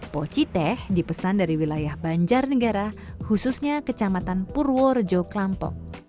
poci teh dipesan dari wilayah banjar negara khususnya kecamatan purworejo kelampok